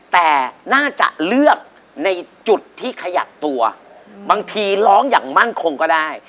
แต่น่าจะเลือกในจุดที่ขยับตัวบางทีร้องอย่างมั่นคงก็ได้